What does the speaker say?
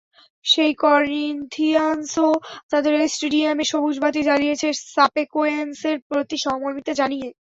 সেই করিন্থিয়ানসও তাদের স্টেডিয়ামে সবুজ বাতি জ্বালিয়েছে শাপেকোয়েনসের প্রতি সহমর্মিতা জানিয়ে।